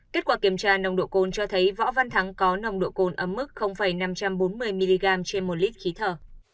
kết quả kiểm tra nồng độ côn cho thấy võ văn thắng có nồng độ côn ấm mức năm trăm bốn mươi mg trên một lít khí thở